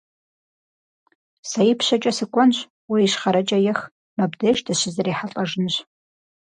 Сэ ипщэкӀэ сыкӀуэнщ, уэ ищхъэрэкӀэ ех, мыбдеж дыщызэрихьэлӀэжынщ.